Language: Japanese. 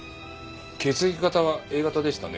血液型はＡ型でしたね？